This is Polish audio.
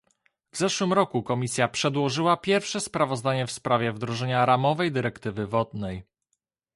W zeszłym roku Komisja przedłożyła pierwsze sprawozdanie w sprawie wdrożenia ramowej dyrektywy wodnej